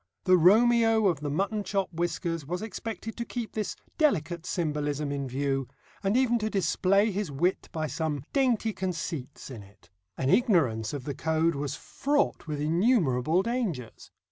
The Romeo of the mutton chop whiskers was expected to keep this delicate symbolism in view, and even to display his wit by some dainty conceits in it. An ignorance of the code was fraught with innumerable dangers.